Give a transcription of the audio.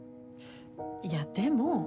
いやでも。